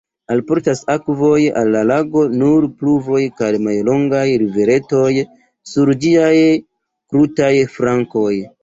Alportas akvon al la lago nur pluvoj kaj mallongaj riveretoj sur ĝiaj krutaj flankoj.